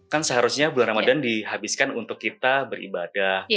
kan seharusnya bulan ramadhan dihabiskan untuk kita beribadah